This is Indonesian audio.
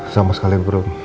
sama sekali bu brun